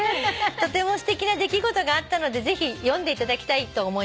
「とてもすてきな出来事があったのでぜひ読んでいただきたいと思います」